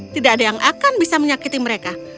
tidak ada yang akan bisa menyakiti mereka